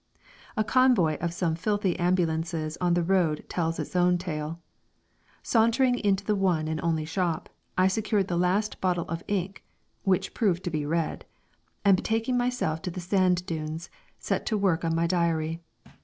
A convoy of some fifty ambulances on the road tells its own tale. Sauntering into the one and only shop, I secured the last bottle of ink (which proved to be red), and betaking myself to the sand dunes, set to work on my diary.